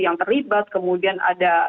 yang terlibat kemudian ada